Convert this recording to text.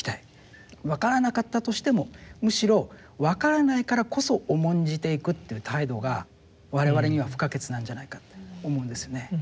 わからなかったとしてもむしろわからないからこそ重んじていくっていう態度が我々には不可欠なんじゃないかって思うんですよね。